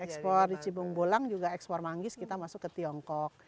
ekspor di cibung bulang juga ekspor manggis kita masuk ke tiongkok